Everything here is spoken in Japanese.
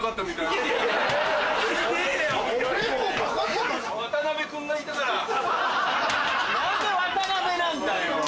何で渡辺なんだよ？